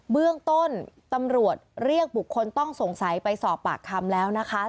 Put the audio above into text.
เบื้องต้นตำรวจเรียกบุคคลต้องสงสัยไปสอบปากคำแล้วนะคะ